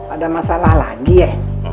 ada masalah lagi ya